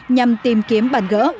nhằm tìm kiếm bàn gỡ